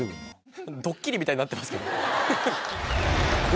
ドッキリみたいになってますけど。